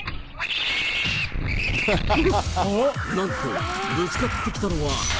なんと、ぶつかってきたのは。